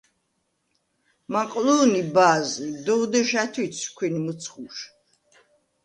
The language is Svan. მაყლუ̄ნი ბა̄ზი, “დოვ დეშ ა̈თუ̈ცვრ ქვინ მჷცხუშ”.